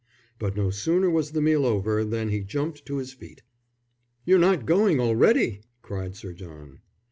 But no sooner was the meal over than he jumped to his feet. "You're not going already?" cried Sir John.